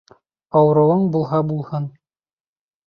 Ауырыуың булһа булһын